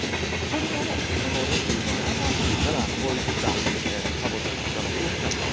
鶏の肉いうのは優しいからこういったかぼちゃなんかの風味なんかを壊さないと。